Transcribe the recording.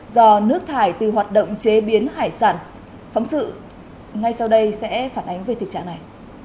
do nước thải từ hoạt động chế biến hải sản phóng sự ngay sau đây sẽ phản ánh về thực trạng này